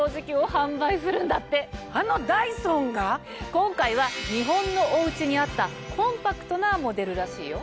今回は日本のお家に合ったコンパクトなモデルらしいよ。